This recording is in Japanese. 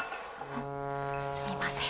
すみません。